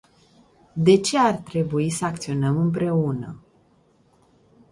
De ce ar trebui să acționăm împreună?